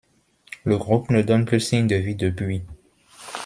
Le groupe ne donne plus signe de vie depuis.